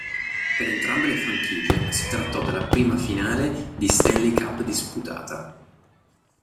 Per entrambe le franchigie si trattò della prima finale di Stanley Cup disputata.